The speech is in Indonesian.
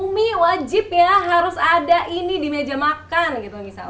umi wajib ya harus ada ini di meja makan gitu misal